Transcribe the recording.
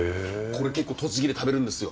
これ結構栃木で食べるんですよ。